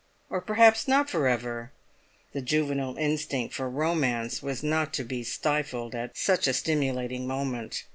Or perhaps not for ever! The juvenile instinct for romance was not to be stifled at such a stimulating moment.